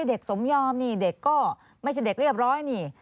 สมยอมนี่เด็กก็ไม่ใช่เด็กเรียบร้อยนี่